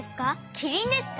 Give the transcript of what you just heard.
キリンですか？